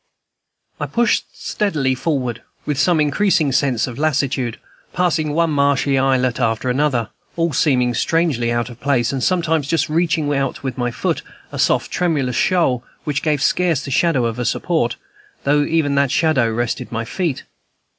I pushed steadily forward, with some increasing sense of lassitude, passing one marshy islet after another, all seeming strangely out of place, and sometimes just reaching with my foot a soft tremulous shoal which gave scarce the shadow of a support, though even that shadow rested my feet.